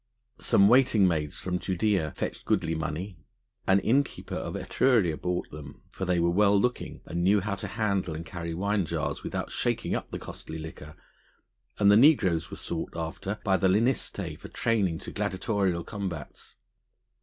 Some waiting maids from Judæa fetched goodly money; an innkeeper of Etruria bought them, for they were well looking and knew how to handle and carry wine jars without shaking up the costly liquor; and the negroes were sought after by the lanistae for training to gladiatorial combats.